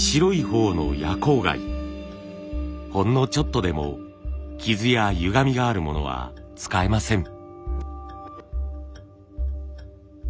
ほんのちょっとでも傷やゆがみがあるものは使えません。